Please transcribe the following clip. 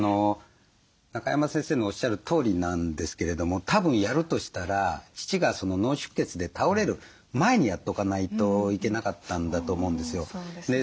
中山先生のおっしゃるとおりなんですけれどもたぶんやるとしたら父が脳出血で倒れる前にやっとかないといけなかったんだと思うんですよ。